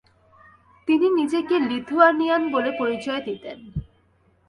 তিনি নিজেকে লিথুয়ানিয়ান বলে পরিচয় দিতেন।